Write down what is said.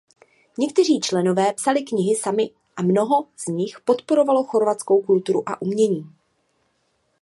Někteří členové psali knihy sami a mnoho z nich podporovalo chorvatskou kulturu a umění.